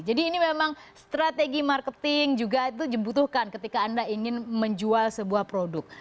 jadi ini memang strategi marketing juga itu dibutuhkan ketika anda ingin menjual sebuah produk